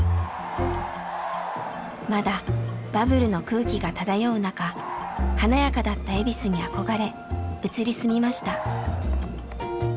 まだバブルの空気が漂う中華やかだった恵比寿に憧れ移り住みました。